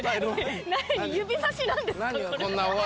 指さし何ですか？